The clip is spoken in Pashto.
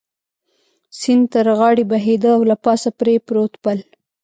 سیند تر غاړې بهېده او له پاسه پرې پروت پل.